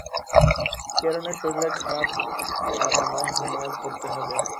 ক্যারেনের শরীর খারাপ আর আমায় হোমওয়ার্ক করতে হবে।